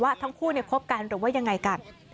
ว่าทั้งคู่เนี่ยคบกันหรือว่ายังไงกัน